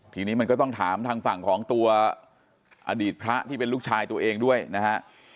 ทีนี้มันก็ต้องถามทางฝั่งของตัวอดีตพระที่เป็นลูกชายตัวเองด้วยนะฮะ